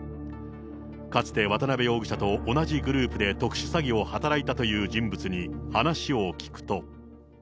かつて渡辺容疑者と同じグループで特殊詐欺を働いたという人物に話を聞くと。